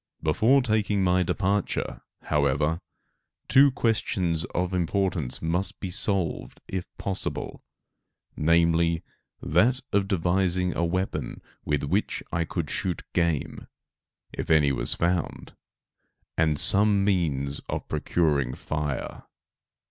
Before taking my departure, however, two questions of importance must be solved, if possible, namely, that of devising a weapon with which I could shoot game, if any was found; and some means of procuring fire.